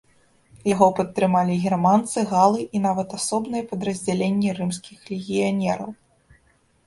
Яго падтрымалі германцы, галы і нават асобныя падраздзяленні рымскіх легіянераў.